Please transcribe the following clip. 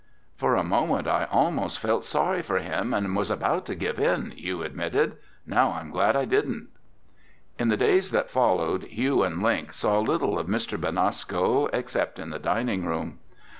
"For a moment I almost felt sorry for him and was about to give in," Hugh admitted. "Now I'm glad I didn't." In the days that followed, Hugh and Link saw little of Mr. Benasco except in the dining room.